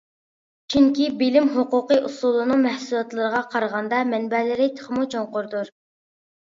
چۈنكى بىلىم ھوقۇقى ئۇسۇلىنىڭ مەھسۇلاتلىرىغا قارىغاندا مەنبەلىرى تېخىمۇ چوڭقۇردۇر.